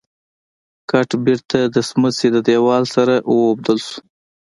ګټ بېرته د سمڅې د دېوال سره واوبدل شو.